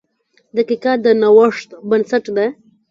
• دقیقه د نوښت بنسټ ده.